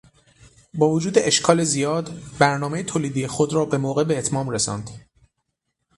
باوجود اشکال زیاد، برنامهٔ تولیدی خود را بموقع باتمام رساندند.